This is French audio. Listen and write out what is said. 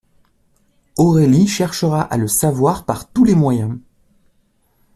Aurélie cherchera à le savoir par tous les moyens.